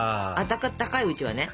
たかいうちはね。